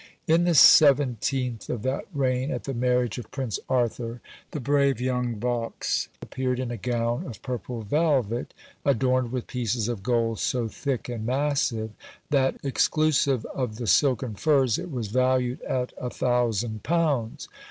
"In the 17th of that reign, at the marriage of Prince Arthur, the brave young Vaux appeared in a gown of purple velvet, adorned with pieces of gold so thick, and massive, that, exclusive of the silk and furs, it was valued at a thousand pounds.